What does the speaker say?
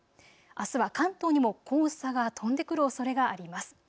あすは関東にも黄砂が飛んでくるおそれがあります。